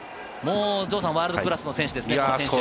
城さん、ワールドクラスの選手ですね。